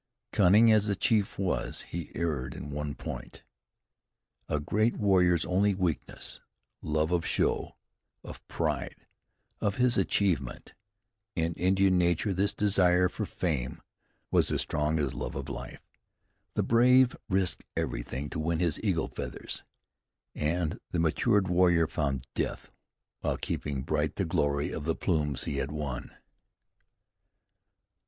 Cunning as the chief was, he erred in one point, a great warrior's only weakness, love of show, of pride, of his achievement. In Indian nature this desire for fame was as strong as love of life. The brave risked everything to win his eagle feathers, and the matured warrior found death while keeping bright the glory of the plumes he had won.